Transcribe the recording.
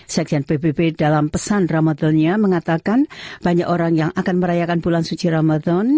seksian bbb dalam pesan ramadhania mengatakan banyak orang yang akan merayakan bulan suci ramadhan hill seperti ini